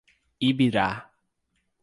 Ibirá